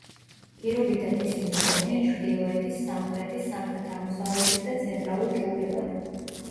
პირობითად ისინი იყოფიან ჩრდილოეთის, სამხრეთის, სამხრეთ-აღმოსავლეთის და ცენტრალურ ჯგუფებად.